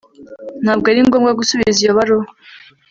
Ntabwo ari ngombwa gusubiza iyo baruwa